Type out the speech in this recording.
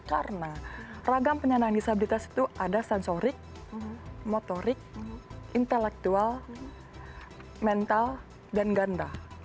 karena ragam penyandang disabilitas itu ada sensorik motorik intelektual mental dan ganda